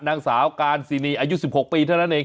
นางสาวการซินีอายุ๑๖ปีเท่านั้นเอง